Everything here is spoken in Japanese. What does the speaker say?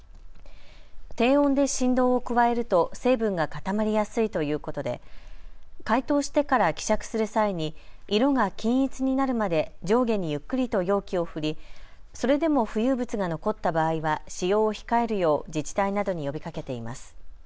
低温で振動を加えると成分が固まりやすいということで解凍してから希釈する際に色が均一になるまで上下にゆっくりと容器を振りそれでも浮遊物が残った場合は使用を控えるよう自治体などに呼びかけています。